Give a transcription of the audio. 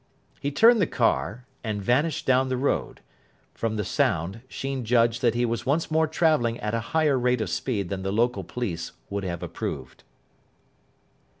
He turned the car, and vanished down the road. From the sound Sheen judged that he was once more travelling at a higher rate of speed than the local police would have approved.